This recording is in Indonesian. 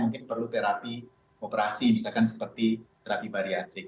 mungkin perlu terapi operasi misalkan seperti terapi bariatrik